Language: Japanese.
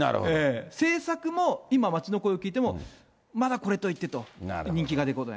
政策も今、街の声を聞いても、まだこれといってと、人気が出てこない。